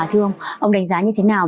thưa ông ông đánh giá như thế nào